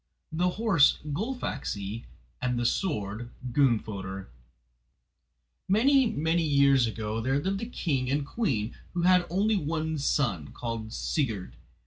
] The Horse Gullfaxi And The Sword Gunnfoder Many many years ago there lived a king and queen who had one only son, called Sigurd.